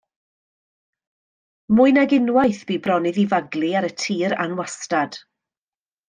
Mwy nag unwaith bu bron iddi faglu ar y tir anwastad.